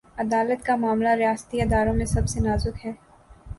عدالت کامعاملہ، ریاستی اداروں میں سب سے نازک ہے۔